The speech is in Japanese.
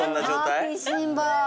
もう食いしん坊。